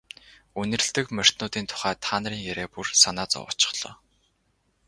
Үнэрлэдэг морьтнуудын тухай та нарын яриа бүр санаа зовоочихлоо.